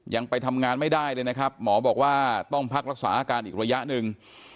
ยังไปทำงานไม่ได้เลยนะครับหมอบอกว่าต้องพักรักษาอาการอีกระยะหนึ่ง